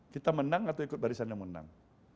kita menang atau ikut barisan yang menang